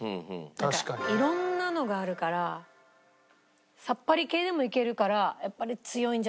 なんか色んなのがあるからさっぱり系でもいけるからやっぱり強いんじゃないかなと。